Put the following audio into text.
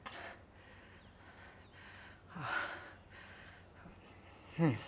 あぁうん。